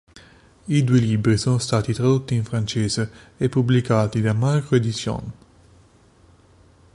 I due libri sono stati tradotti in francese e pubblicati da Macro éditions.